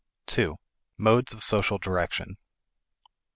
2. Modes of Social Direction.